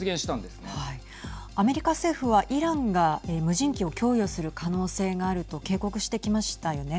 アメリカ政府はイランが無人機を供与する可能性があると警告してきましたよね。